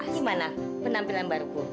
gimana penampilan baruku